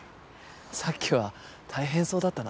さっきは大変そうだったな。